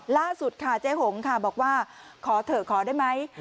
ล่าสุดค่ะเจ๊หงค่ะบอกว่าขอเถอะขอได้ไหม